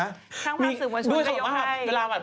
ทั้งภาษาสถุโมชงก์อย่างให้ด้วยสมมติว่าครับเวลาแบบ